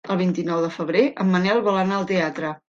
El vint-i-nou de febrer en Manel vol anar al teatre.